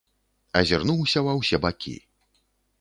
Азірнуўся ва ўсе бакі.